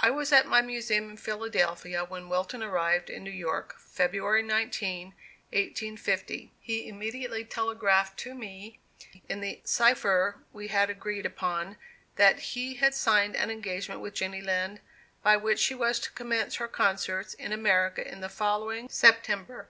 I was at my Museum in Philadelphia when Wilton arrived in New York, February 19, 1850. He immediately telegraphed to me, in the cipher we had agreed upon, that he had signed an engagement with Jenny Lind, by which she was to commence her concerts in America in the following September.